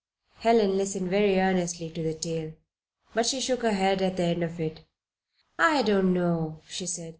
Helen listened very earnestly to the tale, but she shook her head at the end of it. "I don't know," she said.